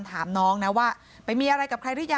พี่น้องของผู้เสียหายแล้วเสร็จแล้วมีการของผู้เสียหาย